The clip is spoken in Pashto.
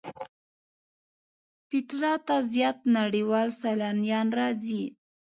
پېټرا ته زیات نړیوال سیلانیان راځي.